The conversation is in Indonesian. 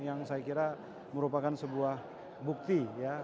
saya kira merupakan sebuah bukti